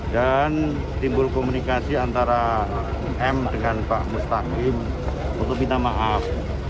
dan timbul komunikasi antara m dengan pak mustaqim untuk minta maaf